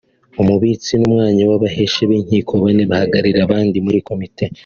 umubitsi n’umwanya w’abahesha b’inkiko bane bahagararira abandi muri komite